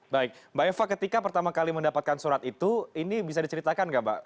baik mbak eva ketika pertama kali mendapatkan surat itu ini bisa diceritakan nggak mbak